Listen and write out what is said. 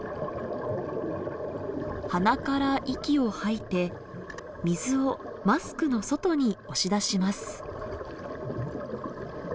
鼻から息を吐いて水をマスクの外に押し出します。